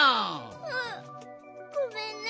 うんごめんね。